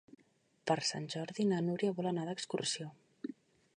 Per Sant Jordi na Núria vol anar d'excursió.